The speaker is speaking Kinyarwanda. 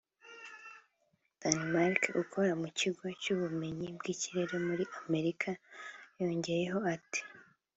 Dimarcq ukora mu kigo cy’ubumenyi bw’ikirere muri Amerika yongeyeho ati